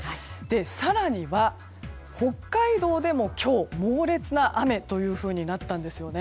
更には、北海道でも今日猛烈な雨となったんです。